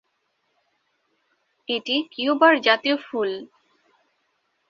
এটি কিউবার জাতীয় ফুল।